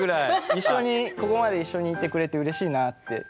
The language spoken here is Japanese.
一緒にここまで一緒にいてくれてうれしいなって。